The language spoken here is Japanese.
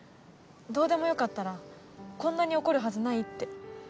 どうでもよかったらこんなに怒るはずないって。